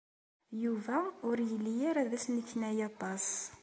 Yuba ur yelli ara d asneknay aṭas.